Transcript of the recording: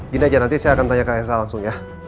gini aja nanti saya akan tanya kang esa langsung ya